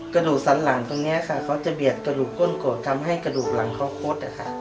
กรุ่นสันหลั่นเนี่ยค่ะเค้าจะเบียบกรุ่นก้นโกด